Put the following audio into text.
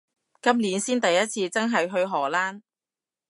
今年先第一次真係去荷蘭